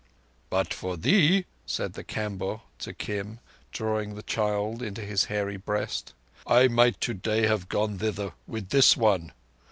"But for thee," said the Kamboh to Kim, drawing the child into his hairy breast, "I might today have gone thither—with this one.